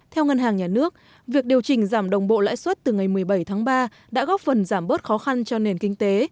theo ngân hàng nhà nước việc điều chỉnh giảm đồng bộ lãi suất từ ngày một mươi bảy tháng ba đã góp phần giảm bớt khó khăn cho nền kinh tế